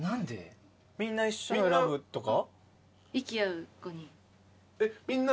・みんな一緒の選ぶとか？